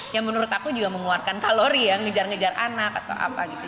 yang menurut aku juga mengeluarkan kalori ya ngejar ngejar anak atau apa gitu